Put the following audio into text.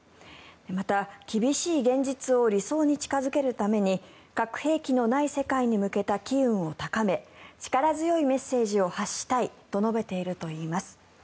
また、厳しい現実を理想に近付けるために核兵器のない世界に向けた機運を高め力強いメッセージを発したいと述べているといいます。